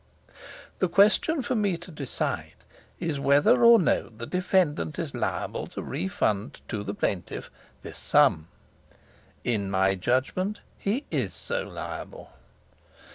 "The question for me to decide is whether or no the defendant is liable to refund to the plaintiff this sum. In my judgment he is so liable.